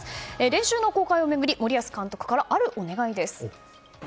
練習の公開を巡り森保監督からあるお願いです。